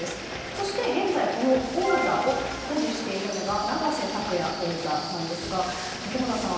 そして現在この王座を保持しているのが永瀬拓矢王座なんですが竹俣さん